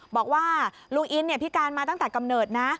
บอกว่าลุงอินพิการมาตั้งแต่กำเนิดนะ